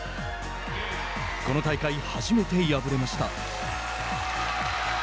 この大会、初めて敗れました。